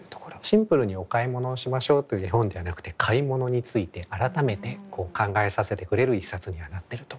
シンプルにお買い物をしましょうという絵本ではなくて買い物について改めて考えさせてくれる一冊にはなってると思いますね。